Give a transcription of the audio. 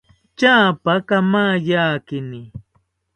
Tyapa kamaiyakini